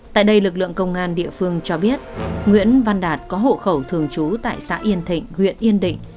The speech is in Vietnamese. tại đây lực lượng công an địa phương cho biết nguyễn văn đạt có hộ khẩu thường trú tại xã yên thịnh huyện yên định